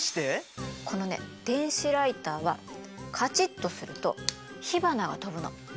このね電子ライターはカチッとすると火花が飛ぶの。